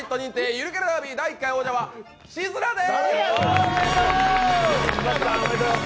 第１回王者はシズラです。